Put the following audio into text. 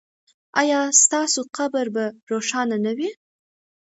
ایا ستاسو قبر به روښانه نه وي؟